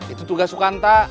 itu tugas sukanta